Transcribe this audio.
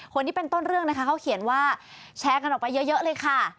คนที่เป็นต้นเรื่องนะคะเขาเขียนว่าแชร์กันออกไปเยอะเลยค่ะ